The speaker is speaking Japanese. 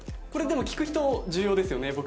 これでも聞く人重要ですよね